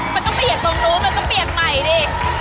มันต้องเปลี่ยนตรงนู้นมันก็เปลี่ยนใหม่ดิ